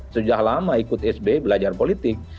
sudah lama ikut sby belajar politik